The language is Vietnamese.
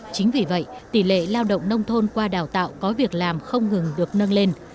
chính vì vậy tỷ lệ lao động nông thôn qua đào tạo có việc làm không ngừng được nâng lên